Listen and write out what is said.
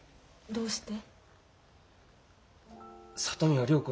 どうして？